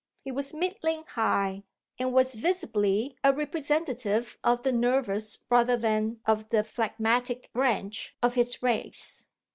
He was middling high and was visibly a representative of the nervous rather than of the phlegmatic branch of his race.